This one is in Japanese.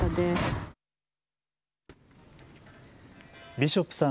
ビショップさん